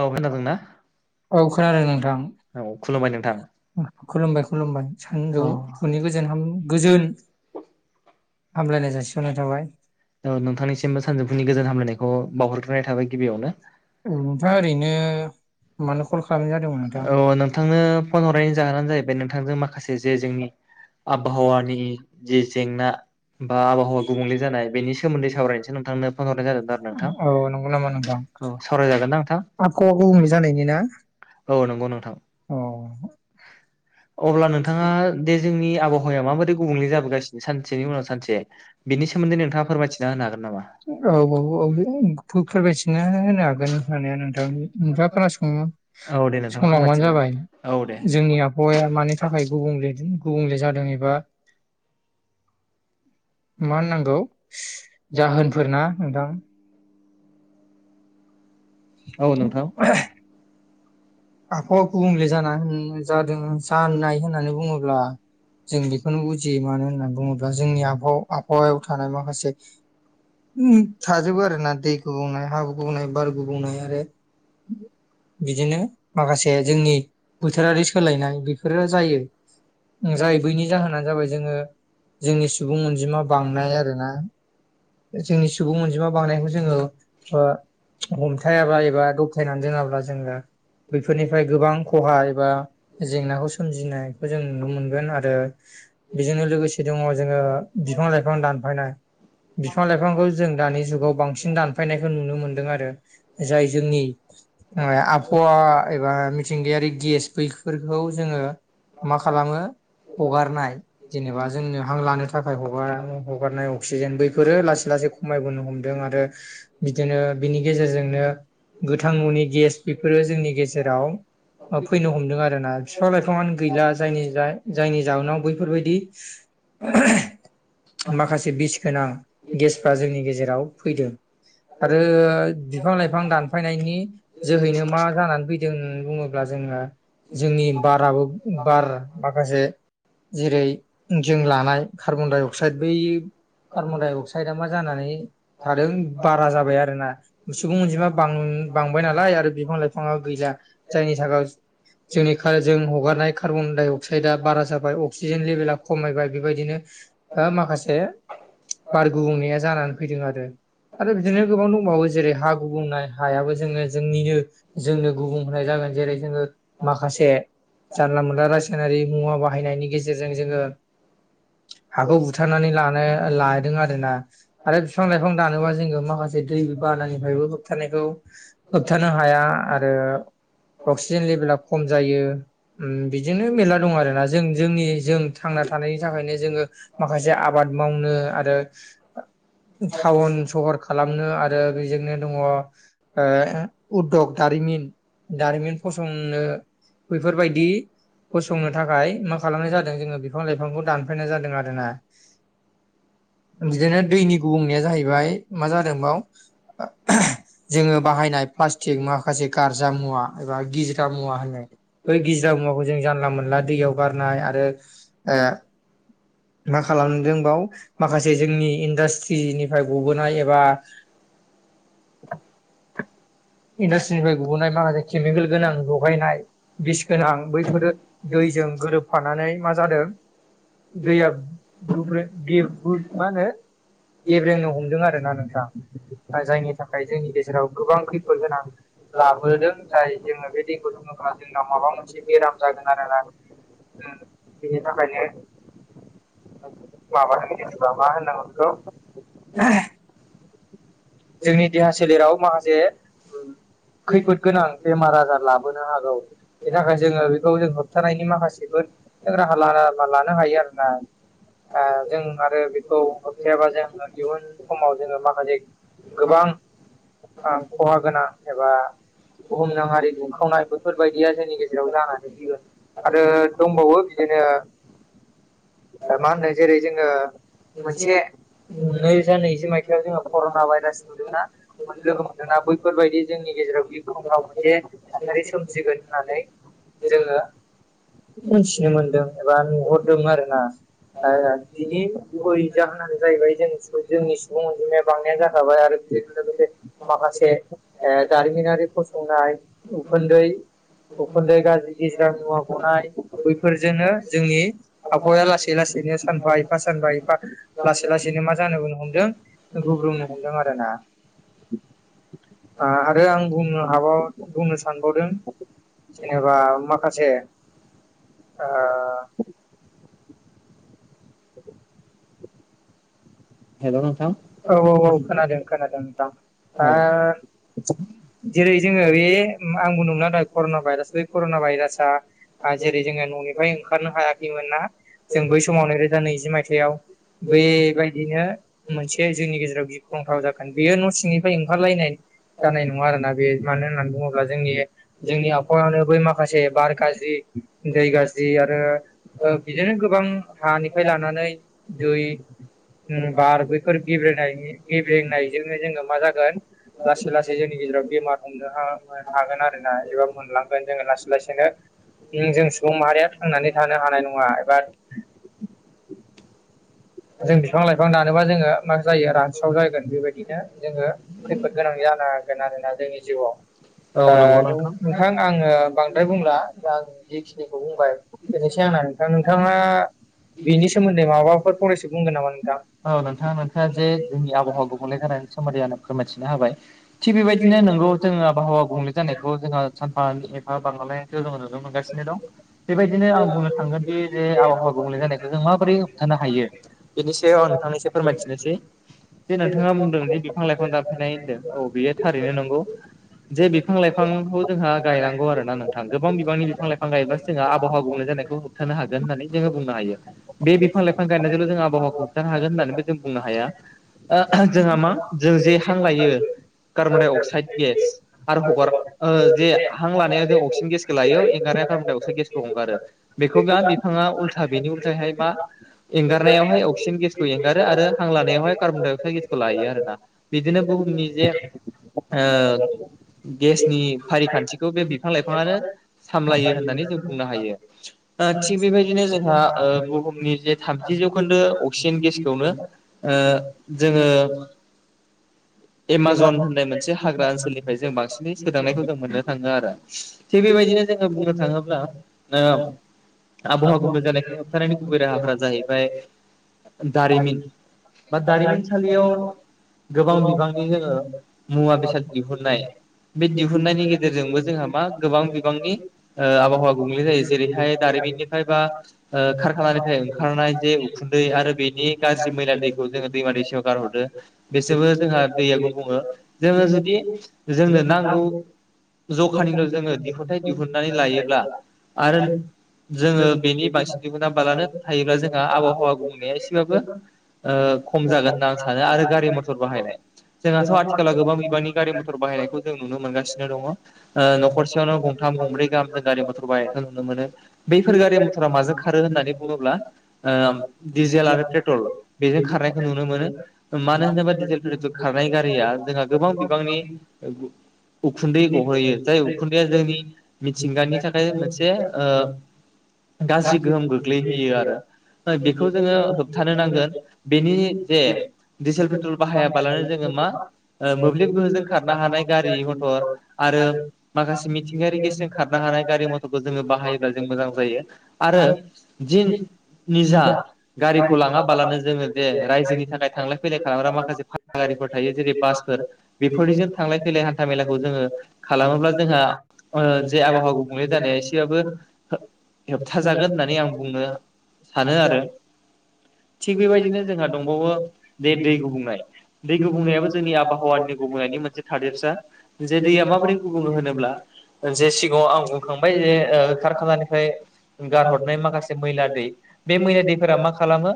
औ खोनादोंना। औ खोनादों नोंथां। औ खुलुमबाय नोंथां खुलुमबाय खुलुमबाय औ सानजौफुनि गोजोन गोजोन हामलायनाय जासिहरनाय थाबाय औ नोंथांनिसिमबो सानजौफुनि गोजोन हामलायनायखौ खौ बावहरग्रोनाय थाबाय गिबियावनो उम नोंथाङा ओरैनो। मानो कल खालामनाय जादोंमोन नोंथां औ नोंथांनो फन हरनायनि जाहोनानो जाहैबाय नोंथांजों माखासे जे जोंनि। आबहावानि जे जेंना बा आबहावा गुबुंले जानाय बेनि सोमोन्दै सावरायनोसो नोंथांनो फन हरनाय जादोंमोन आरो नोंथां औ नंगौ नामा नोंथां। औ सावरायजागोन ना नोंथां आबहावा गुबुंले जानायनि ना औ नंगौ नोंथां अ। [inaudible] अब्ला नोंथाङा दे जोंनि [unintelligible] आबहावाया हबाया माबोरै ग गुबुंले जोन जाबोगासिनो सानसेनि उनाव सानसे बिनि सोमोन्दै नोंथाङा फोरमायथिना होनो हागोन नामा औ औ औ बे फोरमायथिना होनो हागोन होननानै नोंथां नोंथाङा खोनासङो औ दे नोंथां संलांबानो फोरमायथिना होदो जाबाय औ दे जोंनि आबहावाया मानि थाखाय गुबुंले गुबुंले जादों एबा मा ओननांगौ जाहोनफोरना नोंथां औ नोंथां आहावा गुबुंले जा होन जादों जानाय होननानै बुङोब्ला जों बेखौनो बुजियो मानो होननानै बुङोब्ला जोंनि आबहाव आबहावायाव थानाय माखासे उ थाजो बो आरोना दैखौ दैगबुंनाय हाबु गुबुंनाय बार गुबुंनाय आरो बिदिनो माखासे जोंनि बोथोरारि सोलायनाय बेफोरो जायो। जाय बैनि जाहोनानो जाबाय जोङो जोंनि सुबुं अनजिमा बांनाय आरोना जोंनि सुबुं अनजिमा बांनायखौ जोङो हमथायाब्ला एबा दबथायनानै दोनङाब्ला जोङो। बेफोरनिफ्राय गोबां खहा एबा जेंनाखौ सोमजिनायखौ जों नुनो मोनगोन आरो। बेजोंनो लोगोसे दङ जोङो बिफां लाइफां दानफायनाय बिफां लाइफांखौ जों दानि जुगाव बांसिन दानफायनायखौ नुनो मोनदों आरो जाय जोंनि या आबहावा। एबा मिथिंगायारि गेस बैफोरखौ जोङो मा खालामो हगारनाय जेनेबा जोंनो हां लानो थाखाय हगार हगारनाय अक्सिजेन बैफोरो लासै लास सै खमायबोनो हमदों आरो बिदिनो बिनि गेजेरजोंनो गोथां न'नि गेस बेफोरो जोंनि गेजेराव फैनो हमदों आरोना बिफां लाइफाङानो गैला जायनि जाउनाव बैफोरबायदि [inaudible] माखासे बिस गोनां गेसफ्रा जोंनि गेजेराव फैदों। आरो बिफां लाइफां दानफायनायनि जोहैनो मा जानानै फै जों बुङोब्ला जोङो जोंनि बाराबो बार माखासे जेरै जों लानाय कार्बन डाइ अक्साइड बै कार्बनडाइ अक्साइद मा जानानै थादों बारा जाबाय आरो ना सुबुं अनजिमा बां बांबाय नालाय आरो बिफां लाइफाङा गैला जायनि थाखाय जोंनि जों हगारनाय कार्बन डाइ अक्साइदआ बारा जाबाय अक्सिजेन लेभेला खमायबाय बेबायदिनो ओ माखासे बार गुबुंनाया जानानै फैदों आरो। आरो बिदिनो गोबां दंबावो जेरै हा गुबुंनाय हायाबो जोङो जोंनिनो जोंनो गुबुं होनाय जागोन जेरै जोङो माखासे जानला मोनला रासायनारि मुवा बाहायनायनि गेजेरजों जोङो। हाखौ बुथारनानै लानो लादों आरो ना आरो बिफां लाइफां दानोबा जोङो माखासे दैबा बानानिफाय होबथानायखौ होबथानो हाया आरो अक्सिजेन लेभेला खम जायो बिदिनो मेरला दं आरोना जों जोंनि जों थांनाय थानायनि थाखायनो जोङो माखासे आबाद मावनो आरो टाउन सहर खालामनो आरो बेजोंनो दङ ओ उद्दग दारिमिन दारिमिन फसंनो बेैफोरबायदि फसंनो थाखाय मा खालामनाय जादों जोङो बिफां लाइफांखौ दानफायनाय जादों आरोना। बिदिनो दैनि गुबुंनाया जाहैबाय मा जादोंबाव जोङो बाहायनाय प्लास्टिक माख माखासे गारजा मुवा एबा गिजिरा मुवा होनो बै गिजिरा मुवाखौ जों जानला मोनला दैयाव गारना आरो मा खालामदोंबाव माखासे जोंनि इन्डास्ट्रिनिफ्राय गबोनाय एबा इन्डास्ट्र फ्राय गुबनाय माखसे केमिकेल गोनां लगायनाय बिस गोनां बैफोर दैजों गोरोब फानानै मा जादों दैया गे ब्रु मा होनो गेब्रेंनो हमदों आरोना नोंथाङा जायनि थाखाय जोंनि गेजेराव गोबां खैफोद गोनां। लाबोदों जाय जोङो बे दैखौ लोङोब्ला जोंनाव माबा मोनसे बेराम जागोन आरोना। बिनि थाखायनो। माबा होनगिरिबा मा होननांगौखौ बिखौ। जोंनि देहा सोलेराव माखासे। खैफोद गोनां बेमार आजार लाबोनो हागौ बेनि थाखाय जोङो बेखौ जों होबथानायनि माखासेबो। राहा लामा लानो हायो आरोना। जों आरो बेखौ होबथाबा जों इयुन समाव जोङो माखासे गोबां खहा गोनां एबा बुहुमनाङारि दुंखावनाय बेफोरबायदिया जोंनि गेजेराव जानानै फैगोन। आरो दंबावो बिदिनो। [inaudible] मा होनो जेरै जोङो मोनसे। नैरोजा नैजि मायथाइयाव जोङो कर'ना भाइरास नुदोंना लोगो मोनदोंना बैफोरबायदि जोंनि गेजेराव बि फनाव मोनसे थासारि सोमजिगोन होननानै जोङो मोनथिनो मोनदों एबा नुहरदों आरो ना। ओ बिनि गुबै जाहोनानो जाहैबाय जों जोंनि सुबुं अनजिमाया बांनायानो जाखाबाय आरो। लोगोसे माखासे दारिमिनारि फसंनाय उखुन्दै। उखन्दै गाज्रि गिजिरा मुवा गनाय बैफोरजोंनो जोंनि आफबहावाया लासै लासैनो सानफा एफा सानफा एफा लासै लासैनो मा जानो होन हमदों गुब्रुंनो हमदों आरो ना। ओ आरो आं बुंनो हाब बुंनो सानबावदों। जेनेबा माखासे ओ। [inaudible] हेल' नोंथां औ औ औ खोनादों खोनादों दा औ ओ। जेरै जोङो बे आंबो न मोनला दा कर'ना भाइरास बे कर'ना भाइरासआ जेरै जोङो न'निफ्राय ओंखारनो हायाखैमोन ना जों बै समाव नैरोजा नैजि मायथाइयाव बेबायदि बेदिनो मोनसे जोंनि गेजेराव गिख्रंथाव जागोन बेयो न' सिंनिफ्राय ओंखारलायनाय। जानाय नङा आरोना बे मानो होननानै बुङोब्ला जोंनि जोंनि आबहावायानो बै माखासे बार गाज्रि दै गाज्रि आरो बिदिनो गोबां हानिफ्राय लानानै दै। बारबो। बेफोर गेब्रेनायनि गेब्रेनायजोंनो जोङो मा जागोन लासै लासै जोंनि गेजेराव बेमार हमनो हाग। ओ हागोन आरोना एबा मोनलांगोन जोङो लासै लासैनो। जों सुबुं माहारिया थांनानै थानो हानाय नङा एबा [inaudible] जों बिफां लाइफां दानोबा जोङो मा जायो रानस्राव जागोन बेबायदिनो जोङो खैफोद गोनां जानो आरोना जोंनि जिउआव औ नंगौ नोंथां आङो बां ओमफ्राय बुंला आं जेखिनिखौ बुंबाय बेनोसै आंना नोंथां नोंथाङा बेनि सोमोन्दै माबाफोर फरायसो बुंगोन नामा नों औ नोंथां नोंथाङा जे जोंनि आबहाव गुबुंले जानायनि सोमोन्दै आंनो फोरमायथिना होबाय थिग बेबायदिनो नोंगौ जोङो आबहावा गुबंले जानायखौ जोङो सानफा एफा बांलांनायखौ जोङो नुनो मोनगासिनो दं बेबायदिनो आं बुंनो थांगोनदि जे आबहावा गुबुंले जानायखौ जों माबोरै होबथानो हायो बेनिसै आं नोंथांनिससे फोरमायथिनोसै जे नोंथाङा बुंदों जे बिफां लाइफां जाफेनाय होनदों औ बेयो थारैनो नंगौ जे बिफां लाइफांखौ जोंहा गायनांगौ आरो ना नोंथां गोबां बिफांनि बिफां लाइफां गायबासो जोंहा आबहाववा होबथानो हागोन होननानै जोङो बुंनो हायो बे बिफां लाइफां गायनायजोंनो जोङो आबहावाखौ होन होननानैबो जों बुंनो हाया जोंहा मा जों जे हां लायो कार्बन डाइ अक्साइद गेस आरो हगार जे हां लानाया जों बांसिन गेसखौ लायो एंगारनाया कार्वनडाइ अक्साइड गेसखौ हंगारो बेखौ दा बिफाङा उल्था बेनि उल्थायहाय मा एंगारनायावहाय अक्सिजेन गेसखौ एंगारो आरो हां लानायावहाय कार्बन डाइअक्साइद गेसखौ लायो आरोना बिदिनो बुहुमनि जे औ गेसनि फारिखान्थिखौ बे बिफां लाइफाङानो सामलायो होननानै जों बुंनो हायो थिग बेबायदिनो जोंहा बुहुमनि जे थामजि जौखोन्दो सिन गेसखौनो ओ जोङो [inaudible] एमाजन होननाय मोनसे हाग्रा ओनसोलनिफ्राय जों बांसिनै सोदांनायखौ जों मोननो थाङो आरो थि बे बेबायदिनो जोङो बुंनो थाङोब्ला आबहावा गुबुंले जानायखौ होबथानायनि गुबै राहाफोरा जाहैबाय दारिमिन बा दारिमिनसालियाव गोबां बिबां मुवा बेसाद दिहुननाय बे दिहुुननायनि गेजेरजोंबो जोंहा मा गोबां बिबांनि आबहावा गुबुंलै जायो जेरैहाय दारि बिनिफ्राय बा ओ खारखानानिफ्राय ओंखारनाय जे उखुन्दै आरो बिनि बिनि गाज्रि मैला दैखौ जोङो दैमा दैसेयाव गारहरदो बिसोरबो जोंहा दैआ गुबुंङो जोङो जुदि जोंनो नांगौ जखानिल' जोङो दिहुनथाइ दिहुननानै लायोब्ला आरो जोङो बेनि बांसिन दिहुना बालानो थायोब्ला जोंहा आबहावा गुबुंनाया एसेबाबो खम जागोन होनना आं सानो आरो गारि मथर बाहायनाय जोंहाथ' आथिखालाव गोबां बिबांनि गारि मथर बाहायनायखौ जों नुनो मोनगासिनो दङ न'खरसेयावनो थाम गंब्रै गाहाम जों गारि मथर बायनायखौ नुनो मोनो बैफोर गारि मथरा माजों खारो होननानै बुङोब्ला डिजेल आरो पेट्रल बेजों खारनायखौ नुनो मोनो मानो होनोबा डिजेल पेट्रल खार थानाय गारिया जोंहा गोबां बिबांनि उखुन्दै गहोयो जाय उखुन्दैया जोंनि मिथिंगानि थाखाय मोनसे गाज्रि गोहोम गोग्लैहोयो आरो बेखौ जोङो होबथानो नांगोन बेनि जे डिजेल पेट्रल बाहायाबालानो जों जा मोब्लिब गोहोजों खारनो हानाय गारि मथर आरो माखासे मिथिंगायारि गेसजों खारनो हानाय थानाय गारि मथरखौ जोङो बाहायोब्ला जों मोजां जायो आरो जि निजा गारिखौ लाङाबालानो जोङो जे रायजोनि थाखाय थांलाय फैलाय खालामग्रा माखासे फाहागारिफोर थायो जेरै बासफोर बेफोरनिजों थांलाय फैलाय हान्था मेलाखौ जोङो खालामोब्ला जोंहा जे आबहावाखौ गुबुंले जानाया एसेबाबो होबथाजागोन होननानै आं बुंनो सानो आरो थिग बेबायदिनो जोंहा दंबावो बे दै गुबुंनाय दै दै गुबुंनायाबो जोंनि आबहावानि गुबुंनायनि मोनसे थादेरसा जे दैया माबोरै गुबुङो होनोब्ला जे सिगाङाव आं बुंखांबाय जे कारखानानिफ्राय गारहरनाय माखासे मैला दै बे मैला दैफोरा माखासे खालामो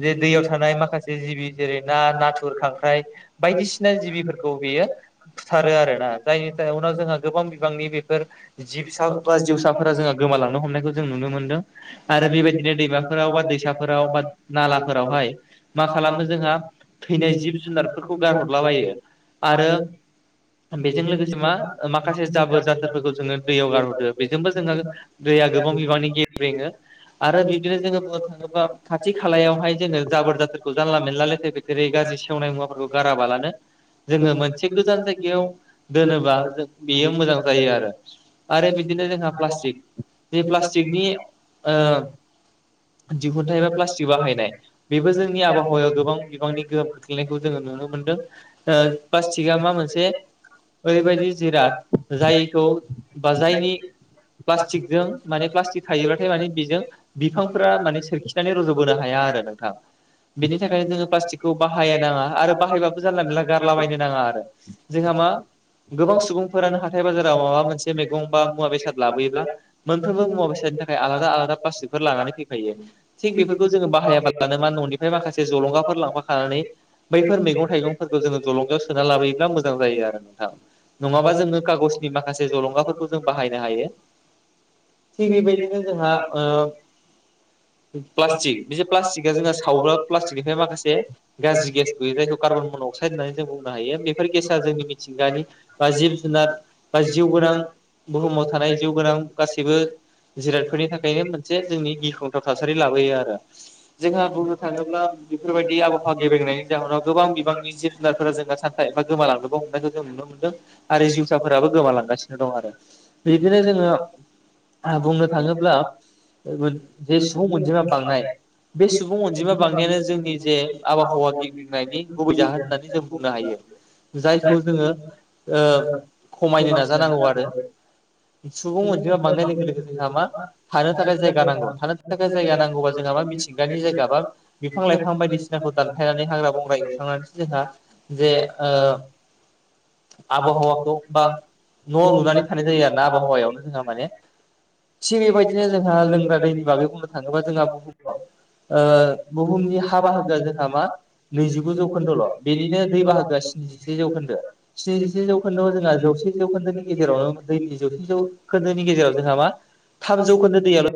जे दैयाव थानाय माखासे जिबि जेरै ना नाथुर खांख्राइ बायदिसिना जिबिफोरखौ बियो बुथारो आरोना जायनि उनाव जोंहा गोबां बिबांनि बेफोर जि बा जिउसाफोरा जोंहा गोमालांनो हमनायखौ जों नुनो मोनदों आरो बेबायदिनो दै दैसाफोराव बा नालाफोरावहाय थैनाय जिब जुनारफोरखौ गारहरलाबायो आरो बेजों लोगोसे मा माखासे जाबोर जाथोरफोरखौ जोङो दैयाव गारहरदो बेजोंबो जोङो दै गोबां बिबांनि गेबेङो आरो बिब्दिनो जोङो बुंनो थाङोबा खाथि खालायावहाय जोङो जाबोर जाथोरखौ जानला मोनानला लेथेर फेथेरै गाज्रि सेवनाय मुवाफोरखौ गाराबालानो जोङो मोनसे गोजान जायगायाव दोनोबा जों बेयो मोजां जायो आरो । आरो बिदिनो जोंहा प्लास्टिक बे प्लास्टिकनि ओ दिहुनथाइ एबा प्लास्टिक बाहायनाय बेबो जोंनि आबहावायाव गोबां बिबांनि गोहोम खख्लैनाय जोङो नु मोनदों ओ ल्पासथिगा मा मोनसे ओरैबायदि जिराद जायखौ बा जायनि प्लास्टिकजों माने प्लास्टिक थायोब्लाथाय माने बेजों बिफांफोरा माने सोरखि नानै रज'बोनो हाया आरो नोंथां बेनि थाखायनो जोङो प्लाष्टिकखौ बाहाया गा आरो बाहायबाबो जानला मोनला गारलाबायायनो नाङा आरो जोंहा मा गोबां सुबुंफोरानो हाथाय बाजाराव माबा मोनसे मैगं बा मुवा बेसाद लाबोयोब्ला मोनफ्रोमबो मुवा बेसाद नि थाखाय आलादा आलादा प्लास्टिकफोर लानानै फैखायो थिग बेफोरखौ जोङो बाहायाबालानो मा न'निफ्राय माखासे जलंगाफोर लांफााखानानै बैफोर मैगं-थाइगंफोरखौ जोङो जलंगायाव सोना लाबोयोब्ला मोजां जायो आरो नोंथाङा नङाबा जोङो कागज नि माखासे जलंगाफोरखौ जों बाहायनो हायो। थिग बेबायदिनो जोंहा ओ प्लास्टिक बे प्लास्टिकआ जोंना सावोबा प्लास्टिकनिफ्राय माखासे गाज्रि गेस गैयो जायखौ कार्बन अक्सायड होननानै जों बुंनो हायो बेफोर गेसा जोंनि मिथिंगानि बा जिब जुनार बा जिउ गोनां बुहुमाव थानाय जिउ गोनां गासैबो जिरादफोरनि थाखायनो मोनसे जोंनि गिख्रंथाव था सारि लाबोयो आरो जोंहा बुंनो थाङोब्ला बेफोरबायदि आबहावा गेब्रेंनायनि जाहोनाव गोबां बिबां नि जुनारफोरा जोंहा सानथा एफा गोमालांनोबो हमनायखौ जों नुनो मोनदों आरो जिउसाफोराबो गोमालांगासिनो दङ। आरो बिदिनो जोङो बुंनो थाङोब्ला जे सुबुं अनजिमा बांनाय बे सुबुं अनजिमा बांनायानो जोंनि जे आबहावा गिदिंनायनि गुबै जाहोन होननानै जों बुंनो हायो। जायखौ जोङो ओ खमायनो नाजानांगौ आरो सुबुं अनजिमा बांनाय लोगो लोगो जोंहा मा थानो थाखाय जायगा नांगौ थानो थाखा जायगा नांगौबा जोंहाबा मिथिंगानि जायगा बा बिफां-लाइफां बायदिसिनाखौ दानफायनानै हाग्रा-बंग्रा एव स्रांनासो जोंहा जे आबहावाखौ बा न' लुनानै थानाय जायो आर ना आबहावायावनो जोंहा माने थिग बेबायदिनो जोंहा लोंग्रा दैनि बागै बुंनो थाङोबा जोंहा बुहुमाव ओ बुहुमनि हा बाहागोआ जोंहा मा नैजिगु जौखोन्दोल' बेनिनो दै बाहागोआ स्निजिसे जौखोन्दो स्निजिसे जौखोन्दोआव जोंहा जौ से जौखोन्दोनि गेजेरावनो दैनि जौसे जौ खोन्दोनि गेजेराव जोंहा मा थामजौ खोन्दो दैयाल'